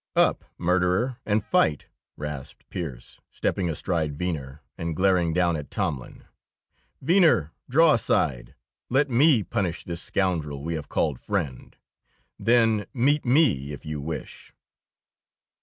"Up, murderer, and fight!" rasped Pearse, stepping astride Venner and glaring down at Tomlin. "Venner, draw aside. Let me punish this scoundrel we have called friend; then meet me if you wish."